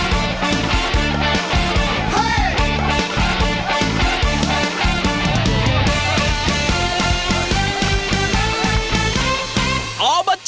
อ้อมประจอมมหาสนุก